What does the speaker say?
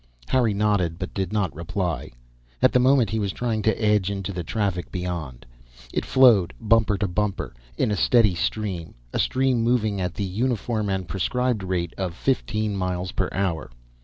Harry nodded but did not reply. At the moment he was trying to edge into the traffic beyond. It flowed, bumper to bumper, in a steady stream; a stream moving at the uniform and prescribed rate of fifteen miles per hour.